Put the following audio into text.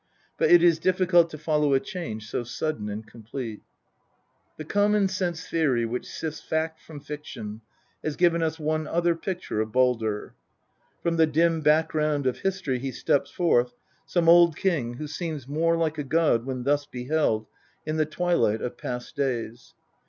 But it is difficult to follow a change so sudden and complete. The common sense theory which sifts fact from fiction has given us one other picture of Baldr. From the dim background of history he steps forth, some old king who seems more like a god when thus beheld in the twilight of past days.